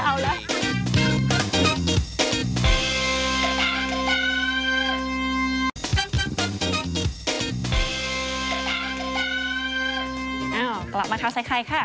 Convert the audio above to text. กลับมาเท้าใส่ใครค่ะ